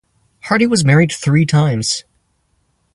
Hardy was married three times.